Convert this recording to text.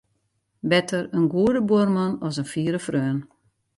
Better in goede buorman as in fiere freon.